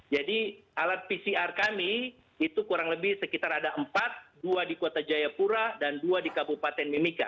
jadi alat pcr kami itu kurang lebih sekitar ada empat dua di kota jayapura dan dua di kabupaten mimika